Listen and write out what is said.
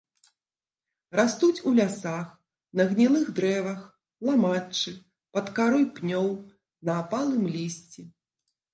Растуць у лясах, на гнілых дрэвах, ламаччы, пад карой пнёў, на апалым лісці.